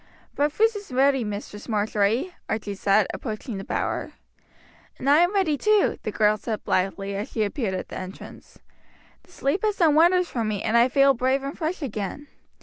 "Breakfast is ready, Mistress Marjory," Archie said, approaching the bower. "And I am ready too," the girl said blithely as she appeared at the entrance. "The sleep has done wonders for me, and I feel brave and fresh again.